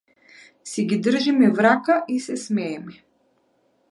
Си ги држиме в рака и се смееме.